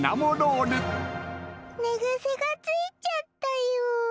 寝癖がついちゃったよ。